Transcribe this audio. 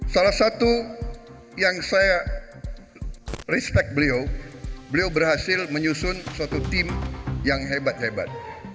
salah satu yang saya respect beliau beliau berhasil menyusun suatu tim yang hebat hebat